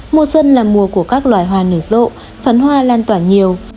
mùa xuân là mùa của các loài hoa nửa rộ phấn hoa lan toàn nhiều